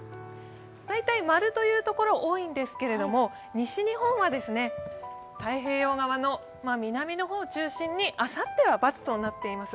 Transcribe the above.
大体○というところが多いんですけれども、西日本は太平洋側の南の方を中心にあさっては×となっています。